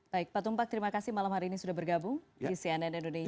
baik pak tumpak terima kasih malam hari ini sudah bergabung di cnn indonesia